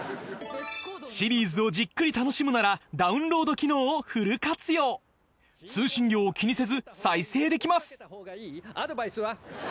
シリーズをじっくり楽しむならダウンロード機能をフル活用通信料を気にせず再生できますえっ！